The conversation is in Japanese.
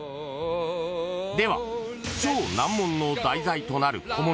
［では超難問の題材となる小物］